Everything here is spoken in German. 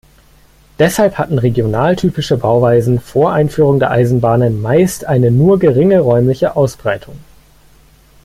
Deshalb hatten regionaltypische Bauweisen vor Einführung der Eisenbahnen meist eine nur geringe räumliche Ausbreitung.